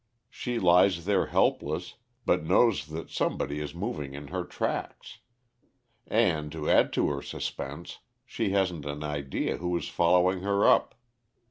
She lies there helpless, but knows that somebody is moving in her tracks. And, to add to her suspense, she hasn't an idea who is following her up.